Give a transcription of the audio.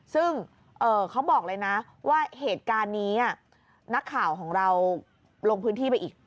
ซึ่งเขาบอกเลยนะว่าเหตุการณ์นี้นักข่าวของเราลงพื้นที่ไปอีก